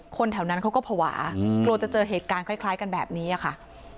แถวนั้นเขาก็ภาวะกลัวจะเจอเหตุการณ์คล้ายกันแบบนี้ค่ะ